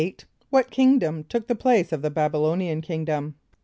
= What kingdom took the place of the B[)a]b [)y] l[=o]´n[)i] an kingdom?